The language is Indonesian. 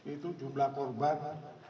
itu jumlah korban